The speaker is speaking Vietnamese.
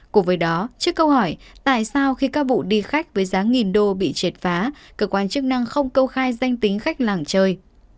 cùng với đó trước câu hỏi tại sao khi các vụ đi khách với giá nghìn đô bị triệt phá cơ quan chức năng không công khai danh tính khách làng chơi